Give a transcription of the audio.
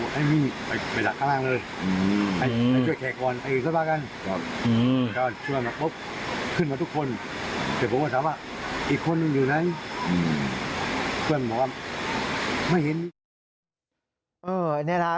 ให้มิ่งไปแล้วกลางให้ช่วยแขกขวัญอะไร